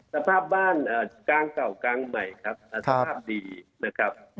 สภาพบ้านกลางเก่ากลางใหม่ครับสภาพดีนะครับ